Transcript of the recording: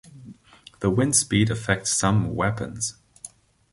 The wind speed affects some weapons.